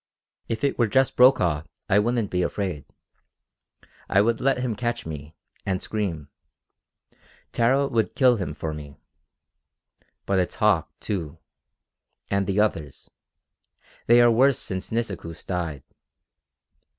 "If it were just Brokaw I wouldn't be afraid. I would let him catch me, and scream. Tara would kill him for me. But it's Hauck, too. And the others. They are worse since Nisikoos died.